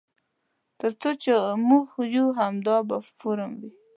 تر څو چې موږ یو همدا به فورم وي.